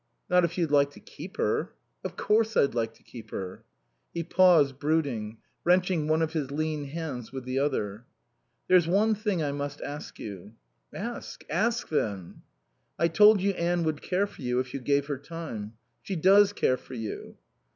"Not if you'd like to keep her." "Of course I'd like to keep her." He paused, brooding, wrenching one of his lean hands with the other. "There's one thing I must ask you " "Ask, ask, then." "I told you Anne would care for you if you gave her time. She does care for you."